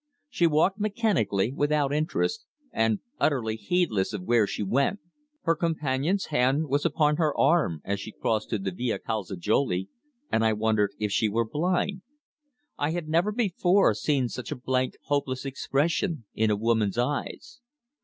She walked mechanically, without interest, and utterly heedless of where she went. Her companion's hand was upon her arm as she crossed to the Via Calzajoli, and I wondered if she were blind. I had never before seen such a blank, hopeless expression in a woman's eyes.